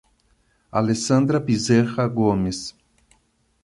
Alessandra Bezerra Gomes